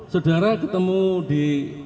saudara ketemu di